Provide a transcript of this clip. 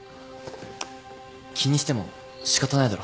気にしても仕方ないだろ。